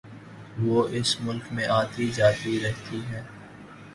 وہ اس ملک میں آتی جاتی رہتی ہے